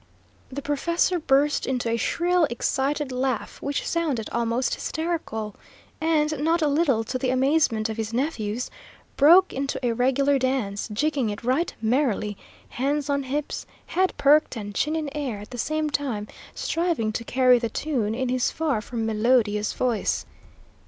The professor burst into a shrill, excited laugh, which sounded almost hysterical, and, not a little to the amazement of his nephews, broke into a regular dance, jigging it right merrily, hands on hips, head perked, and chin in air, at the same time striving to carry the tune in his far from melodious voice.